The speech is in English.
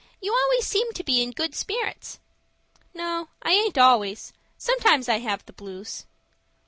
"You always seem to be in good spirits." "No, I aint always. Sometimes I have the blues."